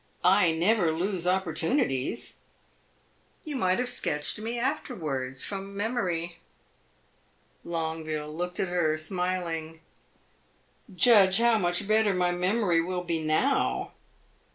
"I never lose opportunities!" "You might have sketched me afterwards, from memory." Longueville looked at her, smiling. "Judge how much better my memory will be now!"